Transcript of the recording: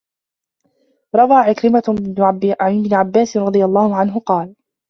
رَوَى عِكْرِمَةُ عَنْ ابْنِ عَبَّاسٍ رَضِيَ اللَّهُ عَنْهُ قَالَ